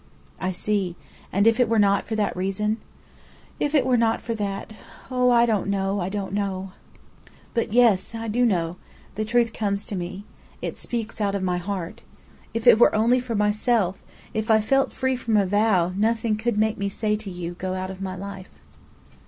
"I see. And if it were not for that reason?" "If it were not for that oh, I don't know, I don't know! But yes, I do know. The truth comes to me. It speaks out of my heart. If it were only for myself if I felt free from a vow, nothing could make me say to you, 'Go out of my life!'"